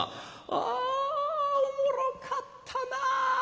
「あおもろかったな。